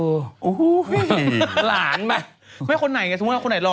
โอ้โหหลานแม่คนไหนสมมุติว่าคนไหนหล่อ